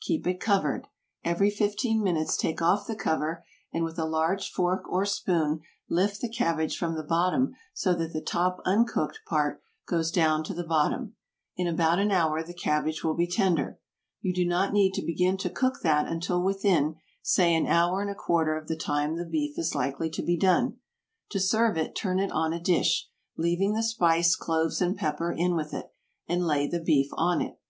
Keep it covered. Every fifteen minutes take off the cover, and with a large fork or spoon lift the cabbage from the bottom so that the top uncooked part goes down to the bottom. In about an hour the cabbage will be tender. You do not need to begin to cook that until within, say an hour and a quarter of the time the beef is likely to be done. To serve it, turn it on a dish, leaving the spice, cloves and pepper in with it, and lay the beef on it.